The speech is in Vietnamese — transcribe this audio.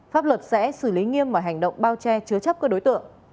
pháp luật sẽ xử lý nghiêm mọi hành động bao che chứa chấp các đối tượng